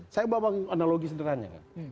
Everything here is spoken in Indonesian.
saya bawa analogi sederhana